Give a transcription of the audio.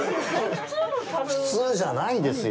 普通じゃないですよ。